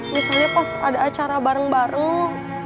misalnya pas ada acara bareng bareng